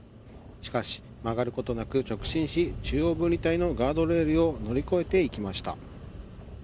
しかし、曲がることなく直進し中央分離帯のガードレールを乗り越えていきました。